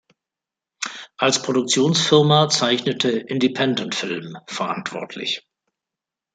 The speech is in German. Als Produktionsfirma zeichnete Independent Film verantwortlich.